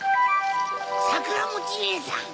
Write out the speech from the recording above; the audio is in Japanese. さくらもちねえさん！